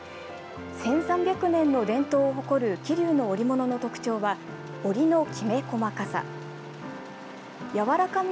１３００年の伝統を誇る桐生の織物の特徴は織りのきめ細かさ。